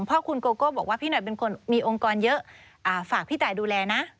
พ่อคุณโกโก้บอกว่าพี่หน่อยเป็นคนมีองค์กรเยอะฝากพี่ตายดูแลนะ